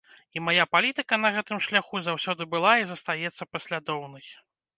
І мая палітыка на гэтым шляху заўсёды была і застаецца паслядоўнай.